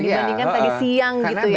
dibandingkan tadi siang gitu ya